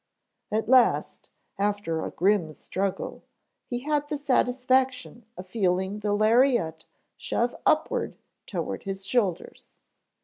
At last, after a grim struggle, he had the satisfaction of feeling the lariat shove upward toward his shoulders.